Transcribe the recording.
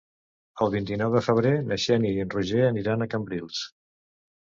El vint-i-nou de febrer na Xènia i en Roger aniran a Cambrils.